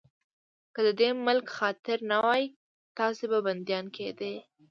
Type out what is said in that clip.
که د دې ملک خاطر نه وای، تاسې به بنديان کېدئ.